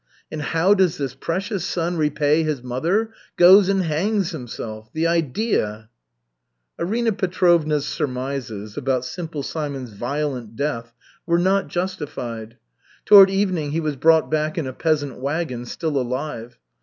And how does this precious son repay his mother? Goes and hangs himself. The idea!" Arina Petrovna's surmises about Simple Simon's violent death were not justified. Toward evening he was brought back in a peasant wagon, still alive.